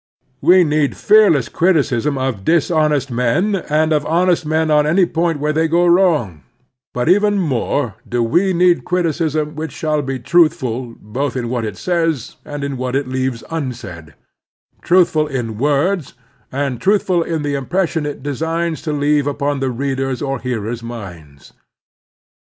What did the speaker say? We need fearless criticism of dishonest men, and of honest men on any point where they go wrong; but even more do we need criticism which shaU be truthftil both in what it says and in what it leaves imsaid — ^truthful in words and truthftil in the impression it designs to leave upon the readers' or hearers' minds.